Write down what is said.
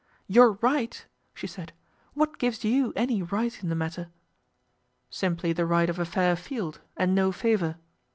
"Your right!" she said. "What gives you any right in the matter?" "Simply the right of a fair field, and no favour."